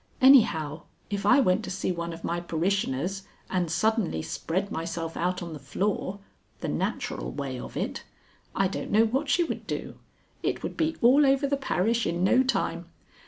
Anyhow, if I went to see one of my parishioners, and suddenly spread myself out on the floor the natural way of it I don't know what she would do. It would be all over the parish in no time.